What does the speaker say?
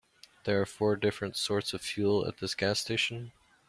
There are four different sorts of fuel at this gas station.